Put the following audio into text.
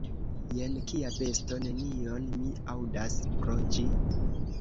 Jen kia besto: nenion mi aŭdas pro ĝi!